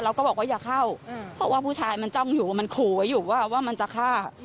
เราก็บอกว่าอย่าเข้าเพราะว่าผู้ชายมันจ้องอยู่ว่ามันขู่ไว้อยู่ว่ามันจะฆ่า